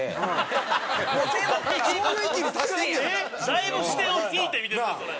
だいぶ視点を引いて見てるなそれ。